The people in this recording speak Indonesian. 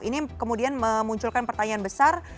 ini kemudian memunculkan pertanyaan besar